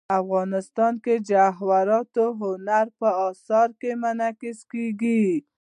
افغانستان کې جواهرات د هنر په اثار کې منعکس کېږي.